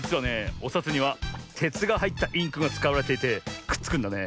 おさつにはてつがはいったインクがつかわれていてくっつくんだね。